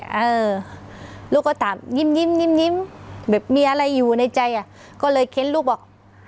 แล้วก็ตามยิ้มแบบมีอะไรอยู่ในใจก็เคล็ดลูกบอก